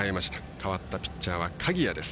代わったピッチャーは鍵谷です。